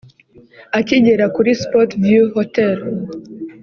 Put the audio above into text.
Akigera kuri Spot View hotel